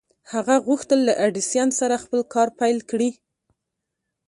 هغه غوښتل له ايډېسن سره خپل کار پيل کړي.